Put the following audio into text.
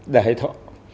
đã hãy thọ